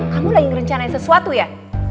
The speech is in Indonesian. kamu lagi ngerencanain sesuatu ya